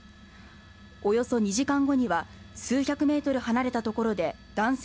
およそ２時間後には数百メートル離れたところで男性